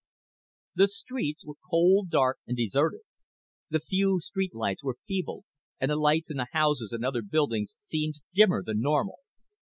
The streets were cold, dark, and deserted. The few street lights were feeble and the lights in houses and other buildings seemed dimmer than normal.